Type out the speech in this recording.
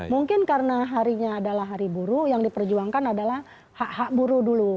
mungkin karena harinya adalah hari buruh yang diperjuangkan adalah hak hak buruh dulu